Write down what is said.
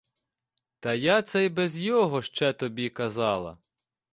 Та я це й без його ще тобі казала.